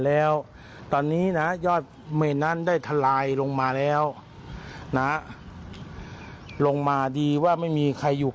แล้วตอนนี้นะยอดเมนนั้นได้ทลายลงมาแล้วนะลงมาดีว่าไม่มีใครอยู่